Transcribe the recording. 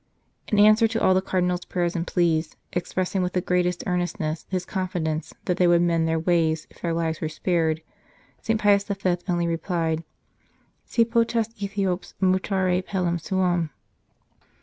In answer to all the Cardinal s prayers and pleas, expressing with the greatest earnestness his confidence that they would mend their ways if their lives were spared, St. Pius V. only replied :" Si potest ^Ethiops mutare pellem suam